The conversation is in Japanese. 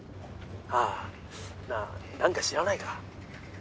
☎ああ☎なあ何か知らないか？